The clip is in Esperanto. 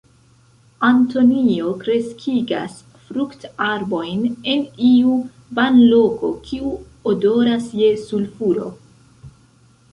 Antonio kreskigas fruktarbojn en iu banloko kiu odoras je sulfuro.